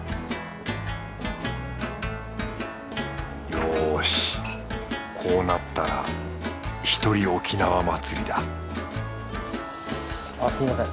よしこうなったらひとり沖縄祭りだあっすみません。